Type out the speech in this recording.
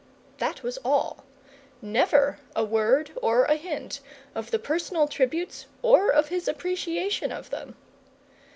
That was all. Never a word or a hint of the personal tributes or of his appreciation of them.